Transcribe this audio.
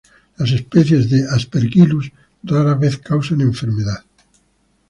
Las especies de "Aspergillus" rara vez causan enfermedad.